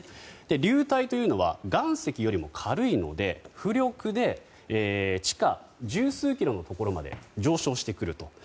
流体というのは岩石よりも軽いので浮力で地下十数キロのところまで上昇してくると。